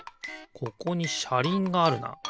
ここにしゃりんがあるな。